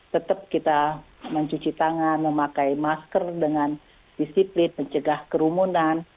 tetap kita mencuci tangan memakai masker dengan disiplin mencegah kerumunan